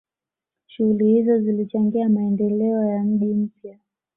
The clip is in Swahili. shughuli hizo zilichangia maendeleo ya mji mpya